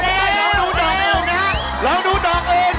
ไปเลยได้ไหมยังไม่ได้